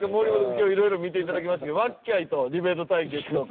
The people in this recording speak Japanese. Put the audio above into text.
今日いろいろ見ていただきましたけどわっきゃいとディベート対決とか。